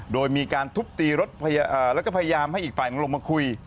โดยมีการทุบตีรถแล้วก็พยายามให้อีกฝ่ายลงมาคุย